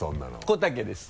小竹です。